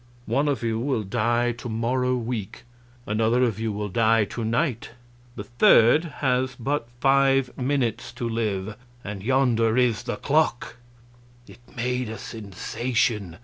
One of you will die to morrow week; another of you will die to night; the third has but five minutes to live and yonder is the clock!" It made a sensation.